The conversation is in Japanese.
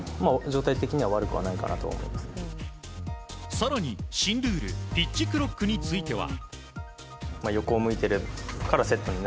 更に、新ルールピッチクロックについては。